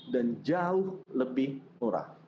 dan jauh lebih murah